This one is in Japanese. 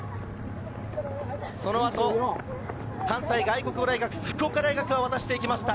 その後、関西外国語大学、福岡大学が渡していきました。